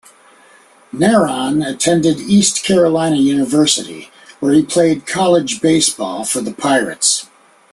Narron attended East Carolina University, where he played college baseball for the Pirates.